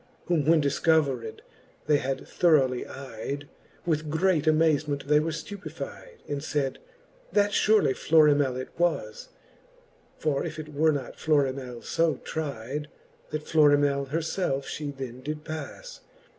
Whom when difcovered they had thoroughly eidc, With great amazement they were ftupefide ^ And faid, that furely Florimell it was, Or if it were not Florimell fo tride. That piorimell her felfe fhe then did pas.